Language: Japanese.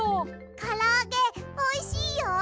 からあげおいしいよ。